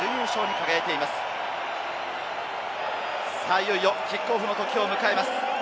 いよいよキックオフのときを迎えます。